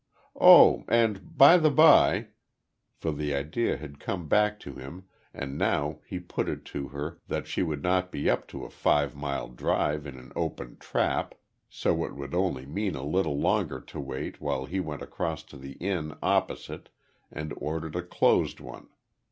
"Oh, and by the by " For the idea had come back to him, and now he put it to her that she would not be up to a five mile drive in an open trap, so it would only mean a little longer to wait while he went across to the inn opposite and ordered a closed one.